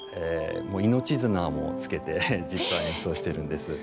命綱もつけて実際にそうしてるんです。